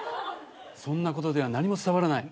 そんなことでは何も伝わらない。